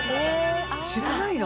知らないの？